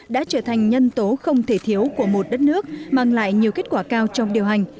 đã trở thành nhân tố không thể thiếu của một đất nước mang lại nhiều kết quả cao trong điều hành